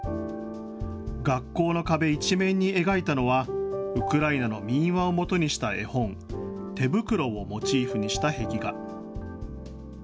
学校の壁一面に描いたのは、ウクライナの民話を元にした絵本、てぶくろをモチーフにした壁画。